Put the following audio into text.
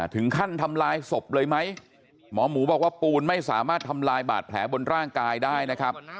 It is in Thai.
ถึงขั้นทำลายศพเลยไหมหมอหมูบอกว่าปูนไม่สามารถทำลายบาดแผลบนร่างกายได้นะครับ